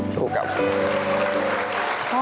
พูดรึเปล่า